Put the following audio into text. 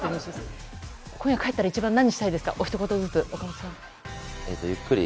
今夜帰ったら一番何をしたいですか？